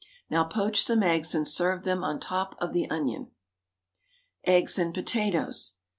Now poach some eggs and serve them on the top of the onion. EGGS AND POTATOES.